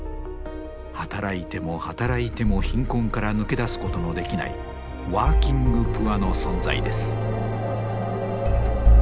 働いても働いても貧困から抜け出すことのできないワーキングプアの存在です。